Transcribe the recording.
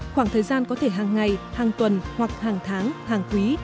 khoảng thời gian có thể hàng ngày hàng tuần hoặc hàng tháng hàng quý